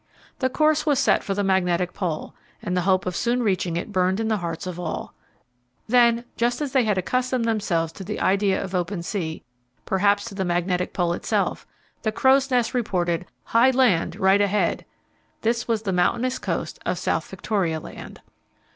The course was set for the Magnetic Pole, and the hope of soon reaching it burned in the hearts of all. Then just as they had accustomed themselves to the idea of open sea, perhaps to the Magnetic Pole itself the crow's nest reported "High land right ahead." This was the mountainous coast of South Victoria Land.